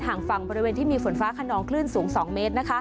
งฝั่งบริเวณที่มีฝนฟ้าขนองคลื่นสูง๒เมตร